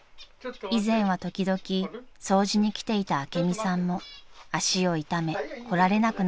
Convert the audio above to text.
［以前は時々掃除に来ていた朱美さんも足を痛め来られなくなっているようです］